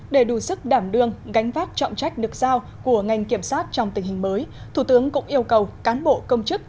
để đủ sức đảm đương gánh vác trọng trách được giao của ngành kiểm sát trong tình hình mới thủ tướng cũng yêu cầu cán bộ công chức